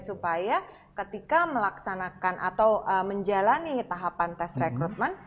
supaya ketika melaksanakan atau menjalani tahapan tes rekrutmen